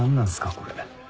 これ。